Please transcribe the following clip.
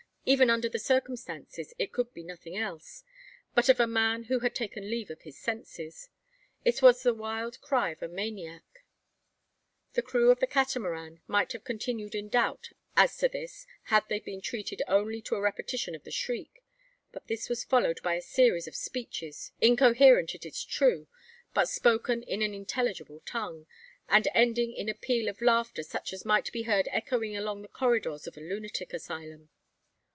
Even under the circumstances, it could be nothing else, but of a man who had taken leave of his senses. It was the wild cry of a maniac! The crew of the Catamaran might have continued in doubt as to this had they been treated only to a repetition of the shriek; but this was followed by a series of speeches, incoherent, it is true, but spoken in an intelligible tongue, and ending in a peal of laughter such as might be heard echoing along the corridors of a lunatic asylum!